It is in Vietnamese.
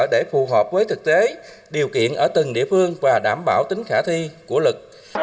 để phù hợp với thực tế điều kiện ở từng địa phương và đảm bảo tính khả thi của luật